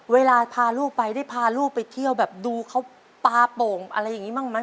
เวลาพาลูกไปได้พาลูกไปเที่ยวแบบดูเขาปลาโป่งอะไรอย่างนี้บ้างไหม